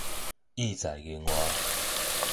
意在言外